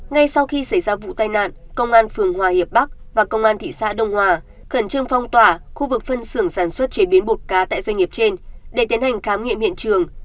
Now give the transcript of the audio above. ngay sau khi xảy ra vụ tai nạn công an phường hòa hiệp bắc và công an thị xã đông hòa khẩn trương phong tỏa khu vực phân xưởng sản xuất chế biến bột cá tại doanh nghiệp trên để tiến hành khám nghiệm hiện trường